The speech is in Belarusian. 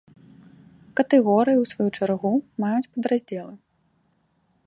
Катэгорыі, у сваю чаргу, маюць падраздзелы.